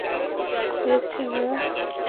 হয়েছে, মা?